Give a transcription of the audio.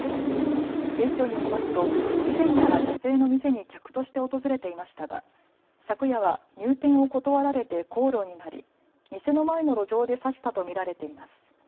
警視庁によりますと以前から女性の店に客として訪れていましたが昨夜は入店を断られて口論になり店の前の路上で刺したと見られています。